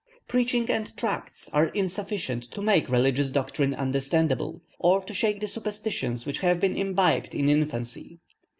Preaching and tracts are insufficient to make religious doctrine understandable, or to shake the superstitions which have been imbibed in infancy.